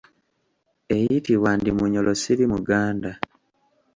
Eyitibwa Ndimunyolosirimuganda.